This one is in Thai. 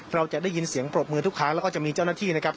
เราจะได้ยินเสียงปรบมือทุกครั้งแล้วก็จะมีเจ้าหน้าที่นะครับ